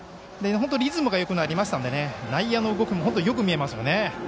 リズムがよくなりましたので内野の動きもよく見えますよね。